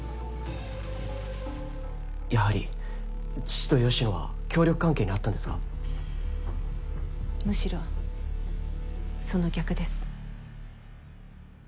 やはり父と芳野は協力関係にあったんむしろその逆です